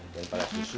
jangan terlalu susu